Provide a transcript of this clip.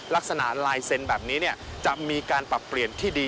ลักษณะลายเซ็นต์แบบนี้จะมีการปรับเปลี่ยนที่ดี